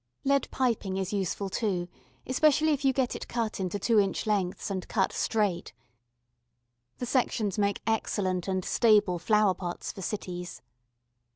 Lead piping is useful too, especially if you get it cut into 2 in. lengths and cut straight. The sections make excellent and stable flower pots for cities.